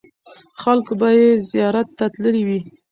خلکو به یې زیارت ته تللي وي.